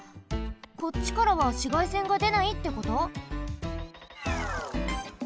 こっちからはしがいせんがでないってこと？